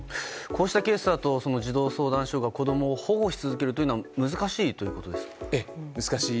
こうしたケースだと児童相談所が子供を保護し続けるのは難しいということですか。